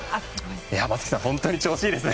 松木さん本当に調子いいですね。